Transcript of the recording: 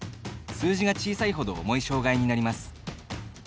数字が小さいほど重い障がいになります。